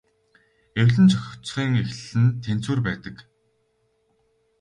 Эвлэн зохицохын эхлэл нь тэнцвэр байдаг.